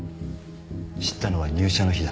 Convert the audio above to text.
知ったのは入社の日だ。